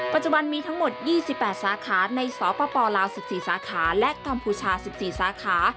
ปัจจุบันมีทั้งหมด๒๘สาขาในสปลาว๑๔สาขาและกัมพูชา๑๔สาขา